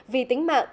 vì tính mạng